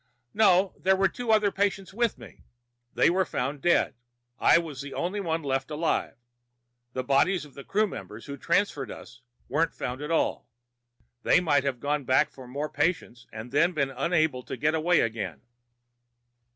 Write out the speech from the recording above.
"No. There were two other patients with me. They were found dead. I was the only one left alive. The bodies of the crew members who transferred us weren't found at all. They might have gone back for more patients and then been unable to get away again."